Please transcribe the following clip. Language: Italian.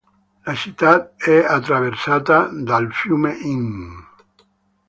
La città è attraversata dal fiume Inn.